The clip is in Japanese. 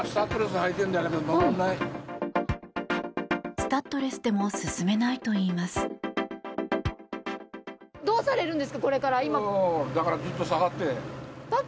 スタッドレスでも進めないといいます。